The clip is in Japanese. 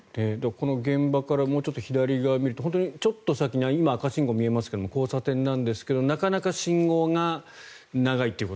この現場からもうちょっと左を見るとちょっと先に今、赤信号が見えますが交差点なんですがなかなか信号が長いという。